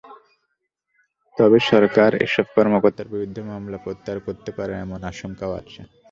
তবে সরকার এসব কর্মকর্তার বিরুদ্ধে মামলা প্রত্যাহার করতে পারে—এমন আশঙ্কাও আছে।